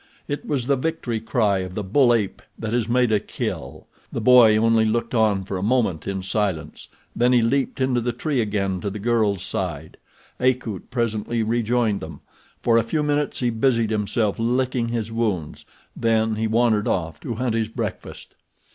It was the victory cry of the bull ape that has made a kill. The boy only looked on for a moment in silence; then he leaped into the tree again to the girl's side. Akut presently rejoined them. For a few minutes he busied himself licking his wounds, then he wandered off to hunt his breakfast.